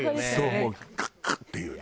もうカッカッていうね。